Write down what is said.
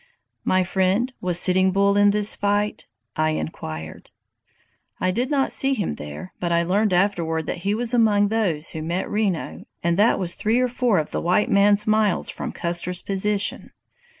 "My friend, was Sitting Bull in this fight?" I inquired. "I did not see him there, but I learned afterward that he was among those who met Reno, and that was three or four of the white man's miles from Custer's position.